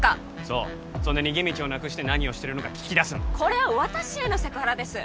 そうそんで逃げ道をなくして何をしてるのか聞き出すこれは私へのセクハラです